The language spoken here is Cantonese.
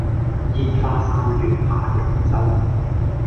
煙花三月下揚州